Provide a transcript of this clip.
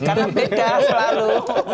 karena beda selalu